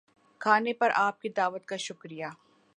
کھانے پر آپ کی دعوت کا شکریہ